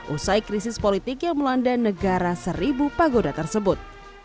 usai krisis politik yang melanda negara seribu pagoda tersebut